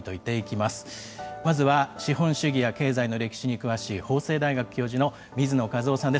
まずは、資本主義や経済の歴史に詳しい法政大学教授の水野和夫さんです。